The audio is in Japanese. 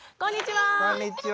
こんにちは！